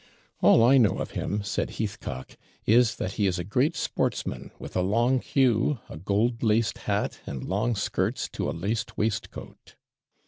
'All I know of him,' said Heathcock, 'is, that he is a great sportsman, with a long queue, a gold laced hat, and long skirts to a laced waistcoat.'